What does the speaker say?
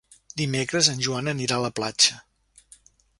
Dimecres en Joan anirà a la platja.